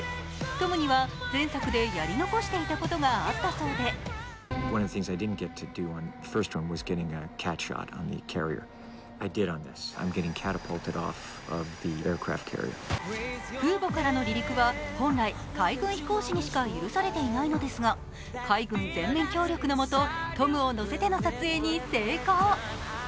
トムには前作でやり残していたことがあったそうで空母からの離陸は本来、海軍飛行士にしか許されていないのですが海軍全面協力のもと、トムを乗せての撮影に成功。